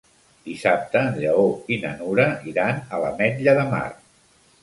Dissabte en Lleó i na Nura iran a l'Ametlla de Mar.